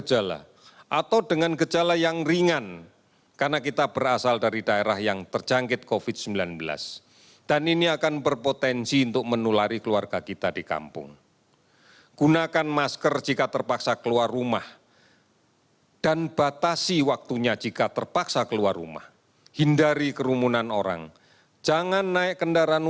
jumlah kasus yang diperiksa sebanyak empat puluh delapan enam ratus empat puluh lima